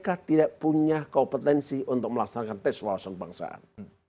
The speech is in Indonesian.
kpk tidak punya kompetensi untuk melaksanakan tes wawasan kebangsaan